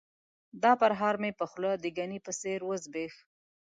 دا پرهار مې په خوله د ګني په څېر وزبیښ.